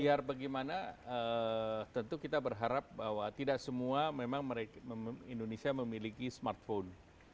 biar bagaimana tentu kita berharap bahwa tidak semua memang indonesia memiliki smartphone